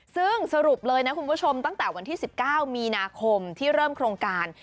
ซึ่งสรุปเลยนะคุณผู้ชมตั้งแต่วันที่๑๙มีนาคมที่เริ่มโครงการ